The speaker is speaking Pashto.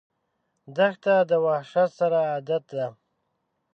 دښته د وحشت سره عادت ده.